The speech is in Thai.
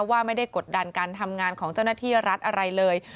ว่าไม่ได้กดดันการทำงานของเจ้าหน้าที่รัฐอะไรเลย